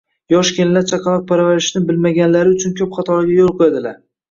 Yosh kelinlar chaqaloq parvarishlashni bilmaganlari uchun ko‘p xatolarga yo‘l qo‘yadilar.